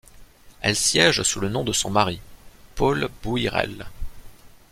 Elle siège sous le nom de son mari, Paul Bouïrel.